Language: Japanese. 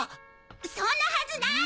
そんなはずない！